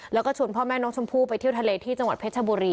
แล้วก็ชวนพ่อแม่น้องชมพู่ไปเที่ยวทะเลที่จังหวัดเพชรบุรี